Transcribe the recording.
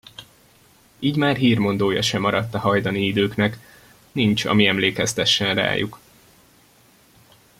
Így már hírmondója se maradt a hajdani időknek, nincs, ami emlékeztessen rájuk.